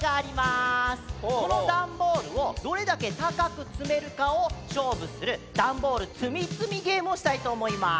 このだんボールをどれだけたかくつめるかをしょうぶするだんボールつみつみゲームをしたいとおもいます。